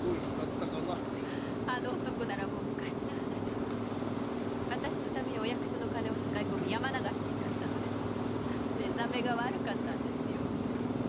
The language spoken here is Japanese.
あの男ならもう昔の話。あたしのためにお役所の金を使い込み山流しになったので寝覚めが悪かったんですよ。